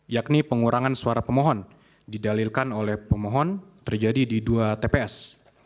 yakni pengurangan suara pemohon didalilkan oleh pemohon terjadi di dua tps